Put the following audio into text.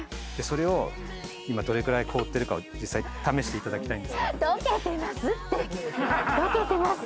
それを今どれくらい凍ってるかを実際試していただきたいんですが。